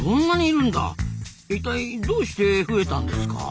いったいどうして増えたんですか？